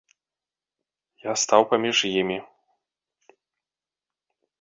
Я стаў паміж імі.